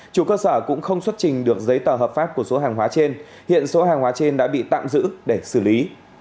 chủ cơ sở cũng không xuất trình được giấy tờ hợp pháp của số hàng hóa trên hiện số hàng hóa trên đã bị tạm giữ để xử lý